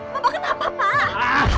bapak kenapa pak